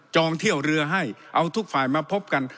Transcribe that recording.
เที่ยวเรือให้เอาทุกฝ่ายมาพบกัน